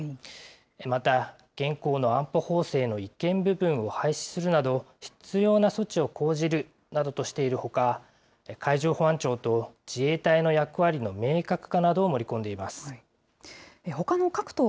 また現行の安保法制の違憲部分を廃止するなど、必要な措置を講じるなどとしているほか、海上保安庁と自衛隊の役割の明確化などを盛り込んでいます。